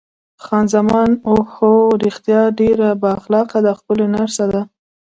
خان زمان: اوه هو، رښتیا ډېره با اخلاقه ده، ښکلې نرسه ده.